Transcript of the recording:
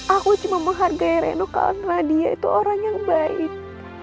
aku cuma menghargai reno karena dia itu orang yang baik